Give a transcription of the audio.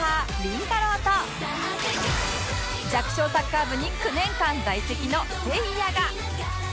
と弱小サッカー部に９年間在籍のせいやが